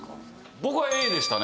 僕はＡでしたね